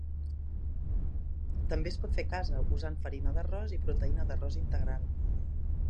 També es pot fer a casa usant farina d'arròs i proteïna d'arròs integral.